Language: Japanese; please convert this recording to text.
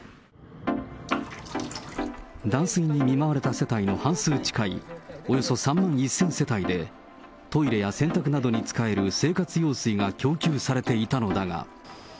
断水に見舞われた世帯の半数近いおよそ３万１０００世帯で、トイレや洗濯などに使える生活用水が供給されていたのだが。